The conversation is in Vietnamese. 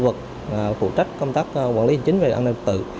khu vực phụ trách công tác quản lý hành chính và an ninh tự